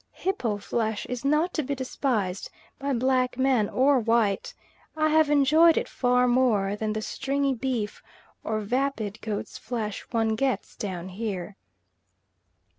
Hippo flesh is not to be despised by black man or white; I have enjoyed it far more than the stringy beef or vapid goat's flesh one gets down here.